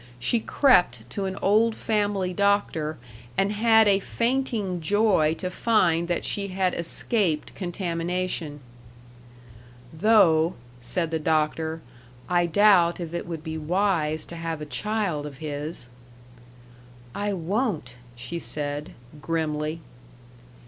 She crept to an old family doctor and had a fainting joy to find that she had escaped contamination. "Though," said the doctor, "I doubt if it would be wise to have a child of his." "I won't!" she said, grimly.